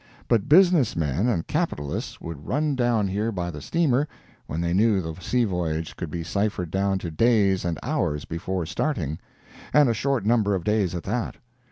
But businessmen and capitalists would run down here by the steamer when they knew the sea voyage could be ciphered down to days and hours before starting—and a short number of days at that.